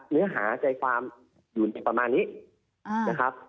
เนื้อหาใจความอยู่ในประมาณนี้นะครับ